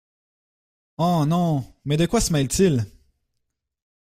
Oh ! non, mais de quoi se mêle-t-il ?